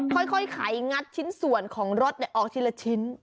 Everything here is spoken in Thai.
ค่อยไขควงงัดชิ้นส่วนของรดนี่เอาทีละชิ้น